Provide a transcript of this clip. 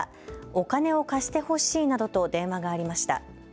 お金を貸してほしいなどと電話がありました。